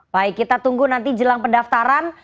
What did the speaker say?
baik kita tunggu nanti jelang pendaftaran